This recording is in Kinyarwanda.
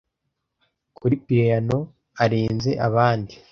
Kuri piyano arenze abandi